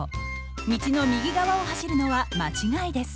道の右側を走るのは間違いです。